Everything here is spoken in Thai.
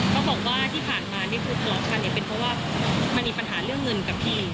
เขาบอกว่าที่ผ่านมานี่คือทะเลาะกันเนี่ยเป็นเพราะว่ามันมีปัญหาเรื่องเงินกับพี่